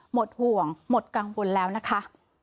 หมดห่วงหมดกังวลแล้วนะคะ